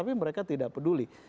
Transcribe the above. tapi mereka tidak peduli